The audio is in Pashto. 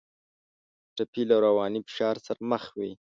ټپي له رواني فشار سره مخ وي.